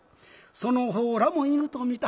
「その方らも犬と見た。